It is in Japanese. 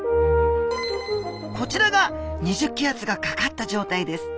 こちらが２０気圧がかかった状態です。